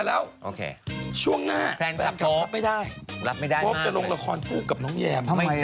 ๔๕แล้วช่วงหน้าแฟนคลับพบรับไม่ได้พบจะลงละครผู้กับน้องแยม